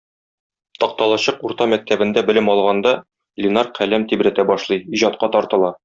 Такталачык урта мәктәбендә белем алганда, Ленар каләм тибрәтә башлый, иҗатка тартыла.